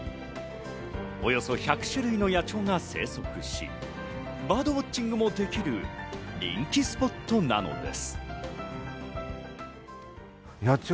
およそ１００種類の野鳥が生息し、バードウォッチングもできる人気スポットなのです。